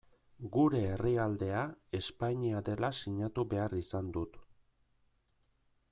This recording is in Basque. Gure herrialdea Espainia dela sinatu behar izan dut.